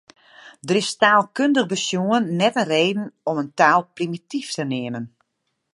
Der is taalkundich besjoen net in reden om in taal primityf te neamen.